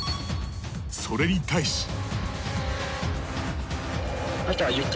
それに対し。